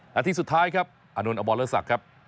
นาทีสุดท้ายครับอนุนอบอลเลอร์สักครับ